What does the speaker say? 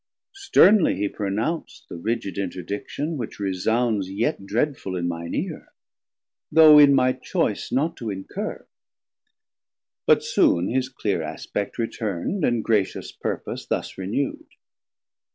Sternly he pronounc'd The rigid interdiction, which resounds Yet dreadful in mine eare, though in my choice Not to incur; but soon his cleer aspect Return'd and gratious purpose thus renew'd.